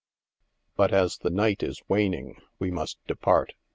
But as the night is waning, we must depart.